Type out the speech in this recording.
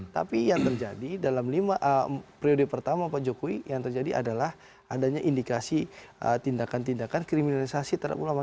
tapi yang terjadi dalam lima periode pertama pak jokowi yang terjadi adalah adanya indikasi tindakan tindakan kriminalisasi terhadap ulama